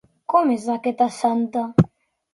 Com és aquesta santa?